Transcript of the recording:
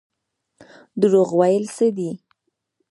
دروغ ویل څه دي؟